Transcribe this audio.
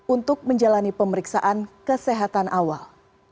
untuk menjalani pemeriksaan kesehatan awal